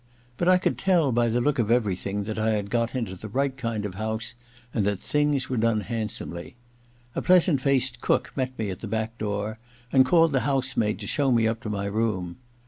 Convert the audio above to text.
But I could tell by the look of 124 THE LADY'S MAID'S BELL i everything that I had got into the right kind of house, and that things were done handsomely. A pleasant faced cook met me at the back door and called the house maid to show me up to my room.